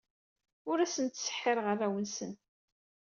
Ur asen-ttseḥḥireɣ arraw-nsen.